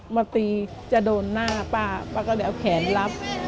มาตีจะโดนหน้าป้าป้าก็เลยเอาแขนรับ